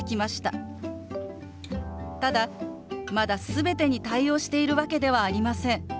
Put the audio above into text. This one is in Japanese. ただまだ全てに対応しているわけではありません。